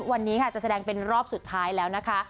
วันนี้ค่ะจะแสดงเป็นรอบสุดท้ายแล้วนะคะ